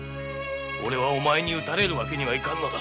俺はお前に討たれるわけにはいかんのだ。